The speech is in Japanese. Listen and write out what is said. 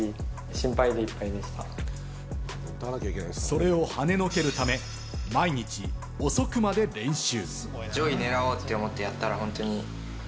それを跳ね除けるため、毎日遅くまで練習。